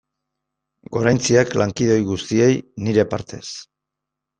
Goraintziak lankide ohi guztiei nire partez.